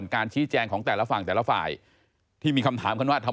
คุณผู้ชมคิดยังไงก็ยังส่งข้อความ